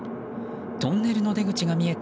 トンネルの出口が見えた